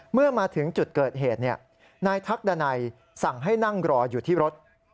เมื่อมาถึงจุดเกิดเหตุนายทักดันัยสั่งให้นั่งรออยู่ที่รถ